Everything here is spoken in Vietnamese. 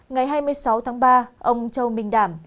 ngày hai mươi sáu tháng ba ông châu minh đảm